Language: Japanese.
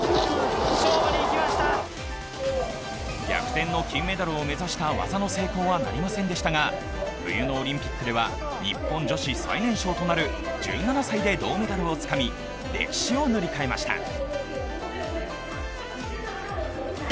逆転の金メダルを目指した技の成功はなりませんでしたが、冬のオリンピックでは日本女子最年少となる１７歳で銅メダルをつかみ歴史を塗り替えました。